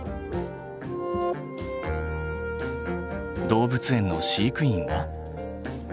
動物園の飼育員は？